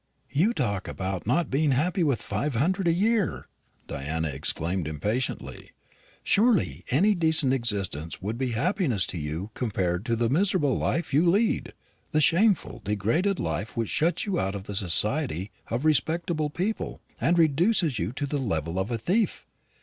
"You talk about not being happy with five hundred a year!" Diana exclaimed impatiently. "Surely any decent existence would be happiness to you compared to the miserable life you lead, the shameful, degraded life which shuts you out of the society of respectable people and reduces you to the level of a thief.